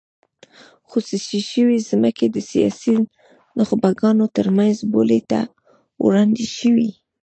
خصوصي شوې ځمکې د سیاسي نخبګانو ترمنځ بولۍ ته وړاندې شوې.